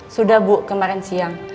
sudah bu kemarin siang